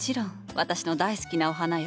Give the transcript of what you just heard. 私の大好きなお花よ。